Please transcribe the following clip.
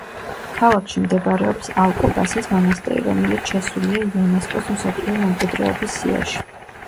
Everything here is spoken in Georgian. ქალაქში მდებარეობს ალკობასის მონასტერი რომელიც შესულია იუნესკოს მსოფლიო მემკვიდრეობის სიაში.